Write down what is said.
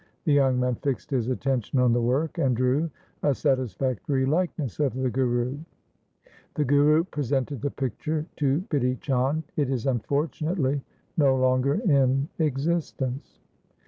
The young man fixed his attention on the work, and drew a satisfactory like ness of the Guru. The Guru presented the picture to Bidhi Chand. It is unfortunately no longer in existence.